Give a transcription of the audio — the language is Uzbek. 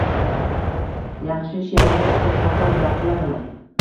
Yaxshi she’rni o‘qib qolsam, zavqlanaman.